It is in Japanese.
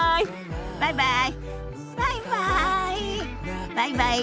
バイバイ。